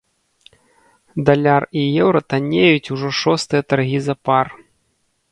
Даляр і еўра таннеюць ўжо шостыя таргі запар.